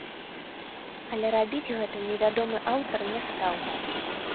Але рабіць гэта невядомы аўтар не стаў.